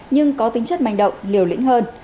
nhưng có tính chất manh động liều lĩnh hơn